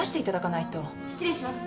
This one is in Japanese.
失礼します。